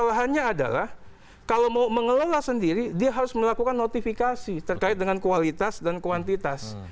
kesalahannya adalah kalau mau mengelola sendiri dia harus melakukan notifikasi terkait dengan kualitas dan kuantitas